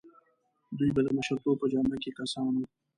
دوی به د مشرتوب په جامه کې کسان وو.